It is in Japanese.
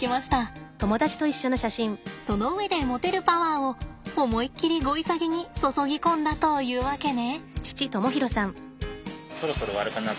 その上で持てるパワーを思いっきりゴイサギに注ぎ込んだというわけね。